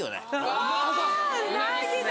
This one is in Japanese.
あぁうなぎだ！